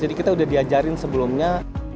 jadi kita udah diajarin sebelumnya